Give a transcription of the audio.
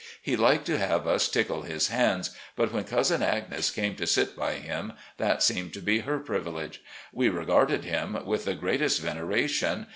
He liked to have us tickle his hands, but when Cousin Agnes came to sit by him that seemed to be her privilege. We regarded him with the greatest veneration.